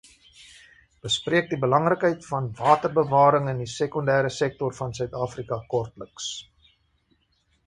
Bespreek die belangrikheid van waterbewaring in die sekondêre sektor van Suid-Afrika kortliks.